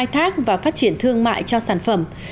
tác và phát triển thương mại cho sản phẩm